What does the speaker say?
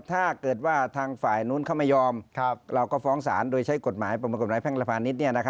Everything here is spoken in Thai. ถ้าเกิดว่าทางฝ่ายนู้นเขาไม่ยอมเราก็ฟ้องศาลโดยใช้กฎหมายประมวลกฎหมายแพ่งและพาณิชย์